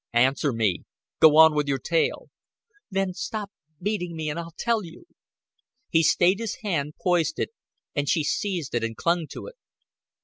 "Answer me. Go on with your tale." "Then stop beating me, and I'll tell you." He stayed his hand, poised it, and she seized it and clung to it.